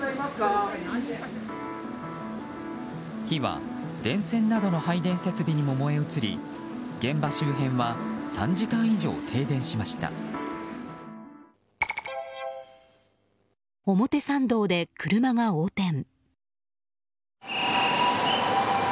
火は電線などの配電設備にも燃え移り現場周辺は３時間以上停電しました。